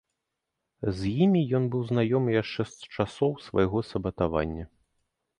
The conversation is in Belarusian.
З імі ён быў знаёмы яшчэ з часоў свайго сабатавання.